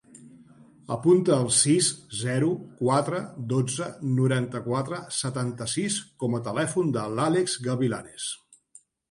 Apunta el sis, zero, quatre, dotze, noranta-quatre, setanta-sis com a telèfon de l'Àlex Gavilanes.